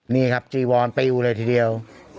นี่ครับจีวอนปิวเลยทีเดียว